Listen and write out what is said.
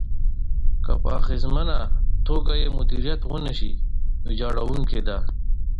که په اغېزمنه توګه يې مديريت ونشي، ويجاړونکې ده.